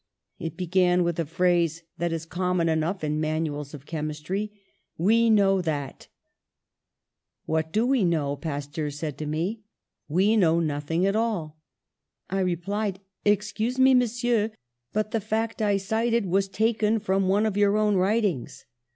It began with a phrase that is common enough in manuals of chemistry : 'We know that ...' 'What do we know?' Pasteur said to me, 'We know nothing at all.' "I replied, 'Excuse me, Monsieur, but the fact I cited was taken from one of your own writings.'